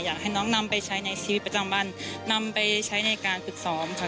อยากให้น้องนำไปใช้ในชีวิตประจำบ้านนำไปใช้ในการฝึกซ้อมค่ะ